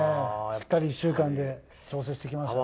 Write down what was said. しっかり１週間で調整してきましたよね。